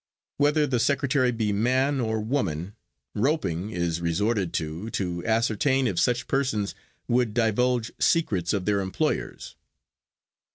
Whether the secretary be man or woman, "roping" is resorted to, to ascertain if such persons would divulge secrets of their employers.